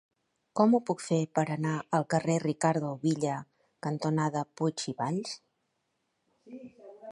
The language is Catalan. Com ho puc fer per anar al carrer Ricardo Villa cantonada Puig i Valls?